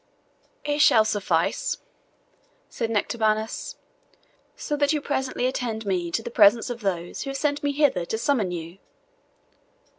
"It shall suffice," said Nectabanus, "so that you presently attend me to the presence of those who have sent me hither to summon you."